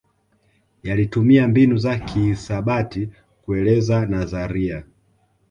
Yalitumia mbinu za kihisabati kueleza nadharia